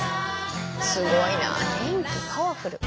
すごいなあ元気パワフル。